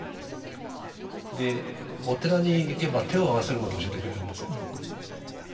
お寺に行けば手を合わせることを教えてくれるんですよ。